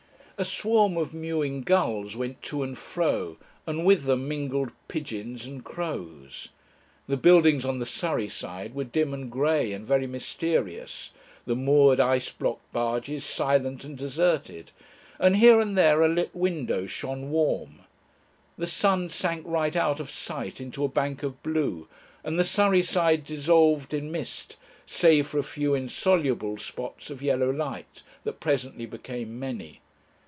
A swarm of mewing gulls went to and fro, and with them mingled pigeons and crows. The buildings on the Surrey side were dim and grey and very mysterious, the moored, ice blocked barges silent and deserted, and here and there a lit window shone warm. The sun sank right out of sight into a bank of blue, and the Surrey side dissolved in mist save for a few insoluble, spots of yellow light, that presently became many.